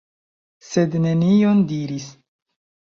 Sed nenion diris.